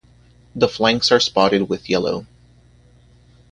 The flanks are spotted with yellow.